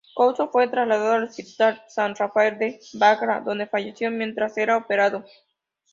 Couso fue trasladado al Hospital San Rafael de Bagdad, donde falleció mientras era operado.